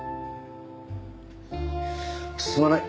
すまない。